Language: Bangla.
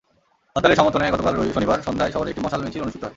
হরতালের সমর্থনে গতকাল শনিবার সন্ধ্যায় শহরে একটি মশাল মিছিল অনুষ্ঠিত হয়।